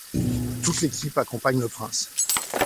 Toute l’équipe accompagne le prince.